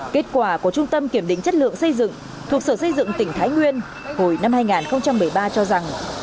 kết quả của trung tâm kiểm định chất lượng xây dựng thuộc sở xây dựng tỉnh thái nguyên hồi năm hai nghìn một mươi ba cho rằng